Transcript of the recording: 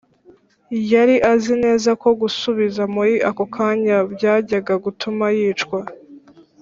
yari azi neza ko gusubiza muri ako kanya byajyaga gutuma yicwa